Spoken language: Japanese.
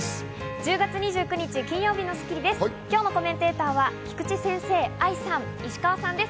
１０月２９日、金曜日の『スッキリ』です。